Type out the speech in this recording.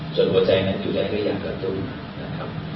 ส่วนหัวใจมันอยู่ในหัวใจก็ยังกระตุ้น